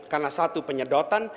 karena satu penyedotan